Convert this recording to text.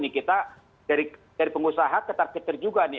kita dari pengusaha ketar ketar juga nih